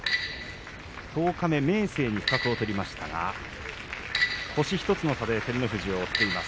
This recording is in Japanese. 十日目、明生に不覚を取りましたが星１つの差で照ノ富士を追っています。